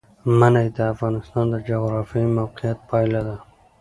منی د افغانستان د جغرافیایي موقیعت پایله ده.